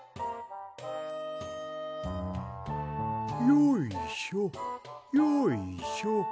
よいしょよいしょ。